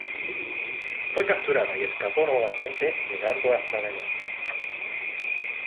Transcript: Fue capturada y escapó nuevamente, llegando hasta Venecia.